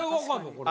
これ。